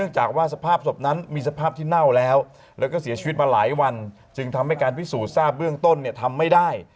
จากว่าสภาพศพนั้นมีสภาพที่เน่าแล้วแล้วก็เสียชีวิตมาหลายวันจึงทำให้การพิสูจนทราบเบื้องต้นเนี่ยทำไม่ได้